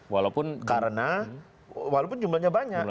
walaupun jumlahnya banyak